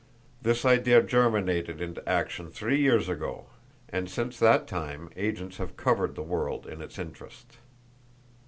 This idea germinated into action three years ago, and since that time agents have covered the world in its interest.